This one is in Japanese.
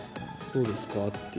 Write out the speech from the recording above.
どうですかって。